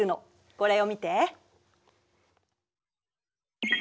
これを見て。